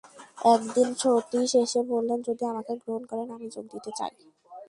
একদিন সতীশ এসে বললেন, যদি আমাকে গ্রহণ করেন আমি যোগ দিতে চাই আপনার কাজে।